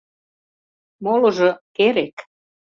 Молыжо — керек.